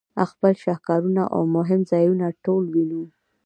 خپل شهکارونه او مهم ځایونه ټول وینو.